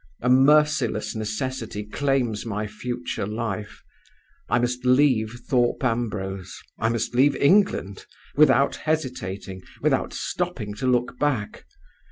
A merciless necessity claims my future life. I must leave Thorpe Ambrose, I must leave England, without hesitating, without stopping to look back.